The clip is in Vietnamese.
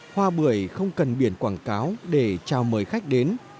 hoa bưởi không cần biển quảng cáo để chào mời khách đến